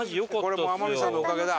これも天海さんのおかげだ。